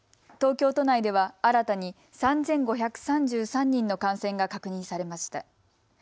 東京都内では新たに３５３３人の感染が確認されました。